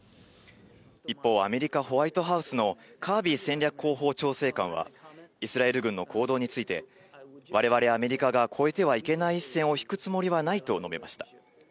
一方、アメリカ、ホワイトハウスのカービー戦略広報調整官は、イスラエル軍の行動について、われわれアメリカが越えてはいけない一線を引くつもりはないと述べました。